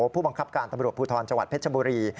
ผู้บังคับการตำรวจภูทรจังหวัดเพชรบุรี